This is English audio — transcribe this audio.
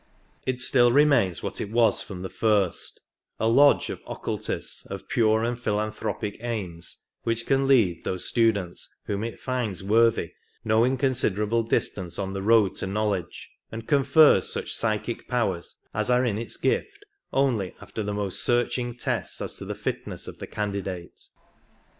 It still remains what it was from the first — a lodge of occultists of pure and philanthropic aims, which can lead those students whom it finds worthy no inconsiderable distance on the road to knowledge, and confers such psychic powers as are in its gift only after the most searching tests as to the fitness of the candidate.